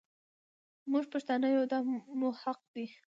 مونږ پښتانه يو دا مو حق دی.